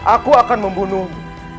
aku akan membunuhmu